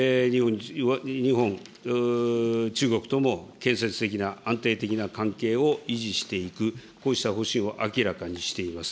日本、中国とも建設的な安定的な関係を維持していく、こうした方針を明らかにしています。